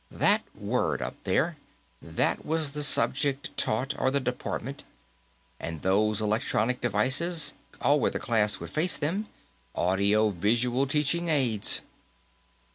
That word, up there; that was the subject taught, or the department. And those electronic devices, all where the class would face them; audio visual teaching aids."